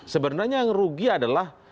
sebenarnya yang rugi adalah